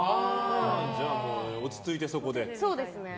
じゃあ、落ち着いてそこで？